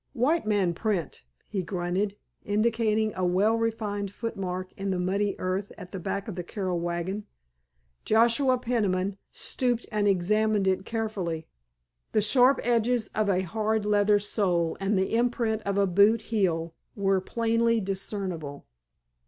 "White man print," he grunted, indicating a well defined footmark in the muddy earth at the back of the Carroll wagon. Joshua Peniman stooped and examined it carefully. The sharp edges of a hard leather sole and the imprint of a boot heel were plainly discernible.